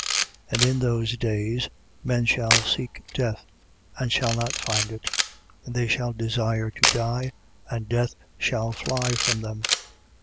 9:6. And in those days, men shall seek death and shall not find it. And they shall desire to die: and death shall fly from them.